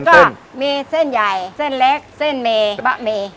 แล้วก็มีเส้นใหญ่เส้นเล็กเส้นเมย์บะหมี่